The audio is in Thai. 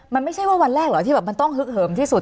มันไม่ใช่ว่าวันแรกเหรอที่แบบมันต้องฮึกเหิมที่สุด